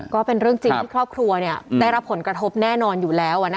ก็เป็นเรื่องจริงที่ครอบครัวได้รับผลกระทบแน่นอนอยู่แล้ว